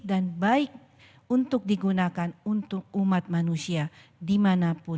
kami yakin vaksin ini sudah melalui transformasi yang menyeluruh